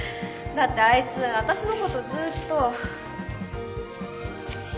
だってあいつ私のことずっと。